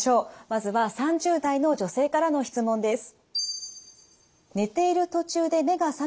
まずは３０代の女性からの質問です。